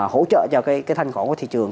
hỗ trợ cho thanh khoản của thị trường